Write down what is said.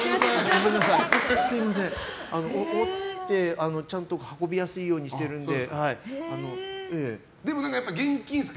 折って、ちゃんと運びやすいようにしてるんで。